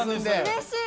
うれしい。